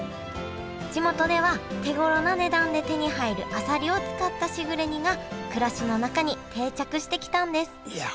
地元では手ごろな値段で手に入るあさりを使ったしぐれ煮が暮らしの中に定着してきたんですいや